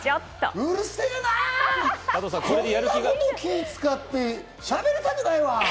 こんなこと、気を使ってしゃべりたくないわ。